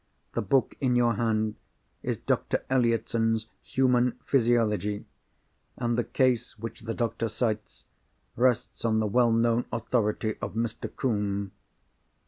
The book in your hand is Doctor Elliotson's Human Physiology; and the case which the doctor cites rests on the well known authority of Mr. Combe."